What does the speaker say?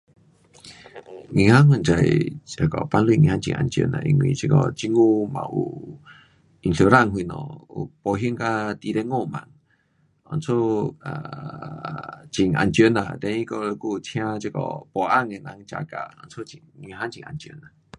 银行反正放钱很安全。政府有 insurance 什么，有保险到二十五万，所以 um 很安全 lah, then 它还有请保安的人 jaga, 银行很安全。